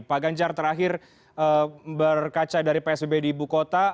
pak ganjar terakhir berkaca dari psbb di ibu kota